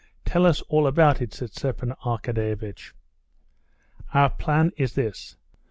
Tell us all about it," said Stepan Arkadyevitch. "Our plan is this.